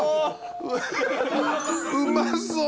うまそう！